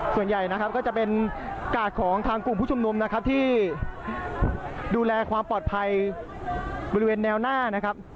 ส่วนใหญ่นะครับก็จะเป็นกาดของทางกลุ่มผู้ชุมนุมนะครับที่ดูแลความปลอดภัยบริเวณแนวหน้านะครับ